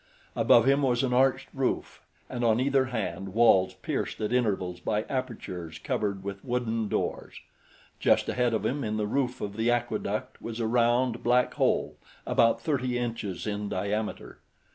Above him was an arched roof and on either hand walls pierced at intervals by apertures covered with wooden doors. Just ahead of him in the roof of the aqueduct was a round, black hole about thirty inches in diameter.